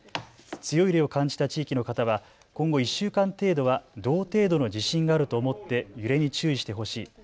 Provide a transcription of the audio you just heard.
強い揺れを感じた地域の方は今後１週間程度は同程度の地震があると思って揺れに注意してほしい。